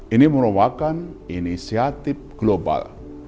ini merupakan inisiatif global